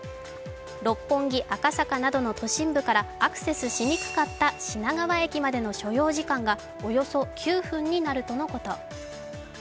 六本木、赤坂などの都心部からアクセスしにくかった品川駅までの所要時間がおよそ９分になるとのこと。